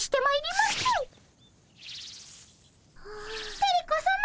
テレ子さま